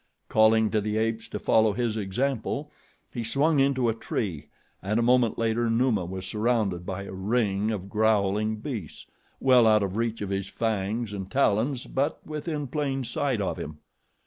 Calling to the apes to follow his example, he swung into a tree and a moment later Numa was surrounded by a ring of growling beasts, well out of reach of his fangs and talons but within plain sight of him.